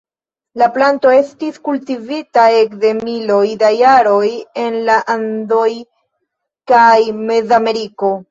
La planto estis kultivita ekde miloj da jaroj en la Andoj kaj Mezameriko.